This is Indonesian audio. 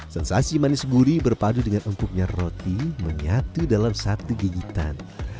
sensasi manis gurih berpadu dengan empuknya roti menyatu dalam satu gigitan